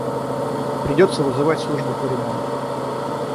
Придётся вызывать службу по ремонту.